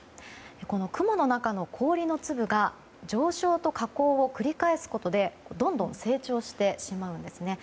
この雲の中の氷の粒が上昇と下降を繰り返すことで、どんどん成長してしまうんですね。